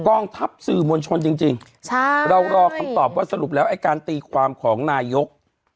กองทัพสื่อมวลชนจริงเรารอคำตอบว่าสรุปแล้วไอ้การตีความของนายก